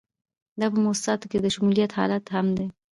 دا په موسساتو کې د شمولیت حالت هم دی.